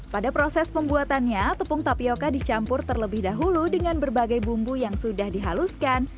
pada proses pembuatannya tepung tapioca dicampur terlebih dahulu dengan berbagai bumbu yang sudah dihaluskan